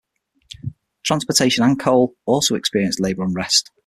Transportation and coal also experienced labor unrest.